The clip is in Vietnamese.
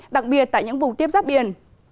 đặc biệt tại những vùng tiếp giáp biển